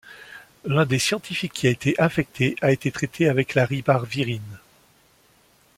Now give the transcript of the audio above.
L'un des scientifiques qui a été infecté a été traitée avec la ribavirine.